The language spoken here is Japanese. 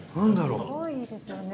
すごいいいですよね。